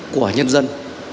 của nhân dân